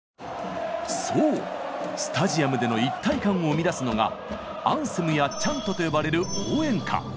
そうスタジアムでの一体感を生み出すのが「アンセム」や「チャント」と呼ばれる応援歌。